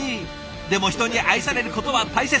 でも人に愛されることは大切。